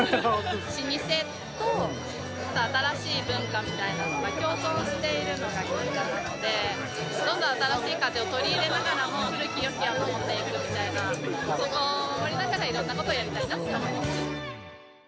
老舗と新しい文化みたいなのが共存しているのが銀座なので、どんどん新しい風を取り入れながらも、古きよきは守っていくみたいな、そこを守りながら、いろんなことをやりたいなと思います。